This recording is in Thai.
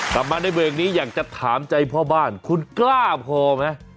กลับมาในเบรกนี้อยากจะถามใจพ่อบ้านคุณกล้าพอไหม